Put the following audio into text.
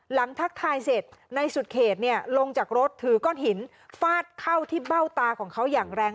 ทักทายเสร็จในสุดเขตลงจากรถถือก้อนหินฟาดเข้าที่เบ้าตาของเขาอย่างแรง